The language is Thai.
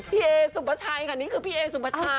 พี่เอสุ่มประชายค่ะนี่คือพี่เอสุ่มประชาย